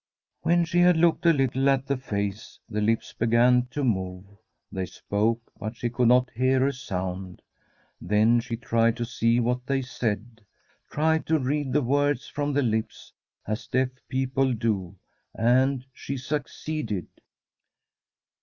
When she had looked a little at the face, the lips began to move; they spoke, but she could not hear a sound. Then she tried to see what they said, tried to read the words from the lips, as deaf people do, and she succeeded.